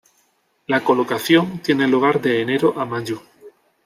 La colocación tiene lugar de enero a mayo.